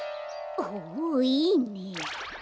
ほおいいね。